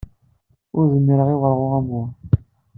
Ur zmireɣ i wurɣu am wa.